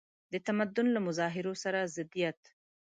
د تمدن له مظاهرو سره ضدیت.